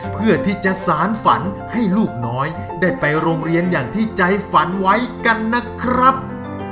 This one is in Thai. เพื่อที่จะสารฝันให้ลูกน้อยได้ไปโรงเรียนอย่างที่ใจฝันไว้กันนะครับ